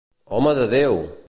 Home de Déu!